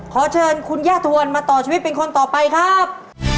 ขอเชิญคุณย่าทวนมาต่อชีวิตเป็นคนต่อไปครับ